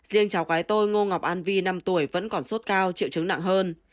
riêng cháu gái tôi ngô ngọc an vi năm tuổi vẫn còn sốt cao triệu chứng nặng hơn